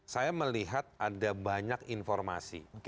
saya melihat ada banyak informasi